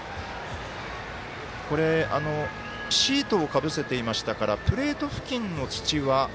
シートをかぶせていましたからプレート付近の土は。